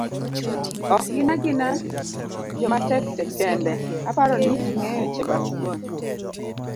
ok gina gina joma tek tek kende, aparo ni ingeyo Chebaskwony.